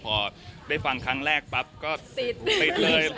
พอได้ฟังครั้งแรกปั๊บก็ปิดเลย